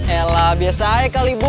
eh lah biasanya kali ibu